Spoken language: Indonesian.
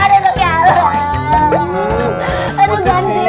aduh bagaimana dong ya allah